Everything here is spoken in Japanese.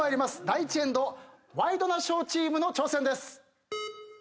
第１エンドワイドナショーチームの挑戦です。